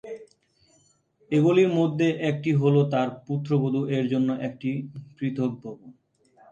এগুলির মধ্যে একটি হল তার পুত্রবধূ -এর জন্য একটি পৃথক ভবন।